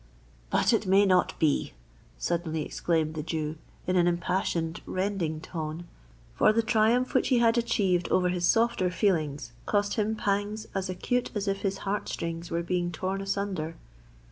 "But it may not be!" suddenly exclaimed the Jew, in an impassioned—rending tone; for the triumph which he had achieved over his softer feelings, cost him pangs as acute as if his heart strings were being torn asunder.